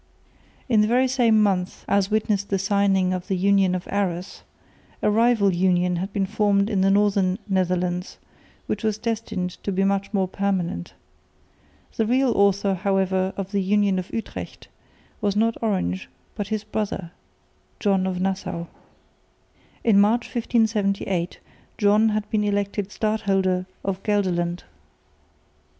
In the very same month as witnessed the signing of the Union of Arras, a rival union had been formed in the northern Netherlands, which was destined to be much more permanent. The real author however of the Union of Utrecht was not Orange, but his brother, John of Nassau. In March, 1578, John had been elected Stadholder of Gelderland.